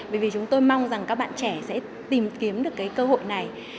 bởi vì chúng tôi mong rằng các bạn trẻ sẽ tìm kiếm được cái cơ hội này